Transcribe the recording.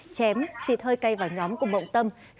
chém xịt hơi cay vào nhóm của mộng tâm